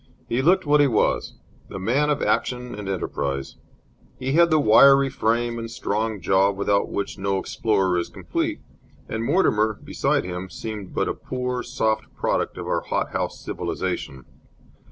He looked what he was, the man of action and enterprise. He had the wiry frame and strong jaw without which no explorer is complete, and Mortimer, beside him, seemed but a poor, soft product of our hot house civilization.